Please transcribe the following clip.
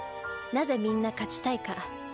なぜみんな勝ちたいか。